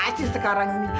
asyik sekarang ini